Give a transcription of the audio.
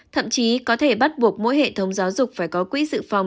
thậm chí có thể bắt buộc mỗi hệ thống giáo dục phải có quỹ dự phòng